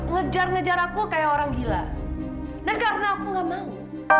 ngejar ngejar aku kayak orang gila dan karena aku gak mau